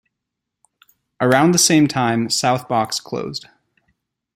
Around the same time, South Box closed.